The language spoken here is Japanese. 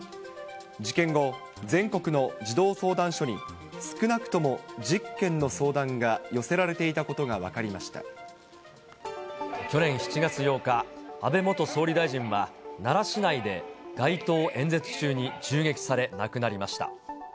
事件後、全国の児童相談所に少なくとも１０件の相談が寄せられていたこ去年７月８日、安倍元総理大臣は、奈良市内で街頭演説中に銃撃され亡くなりました。